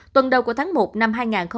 tuần đầu của tháng một năm hai nghìn hai mươi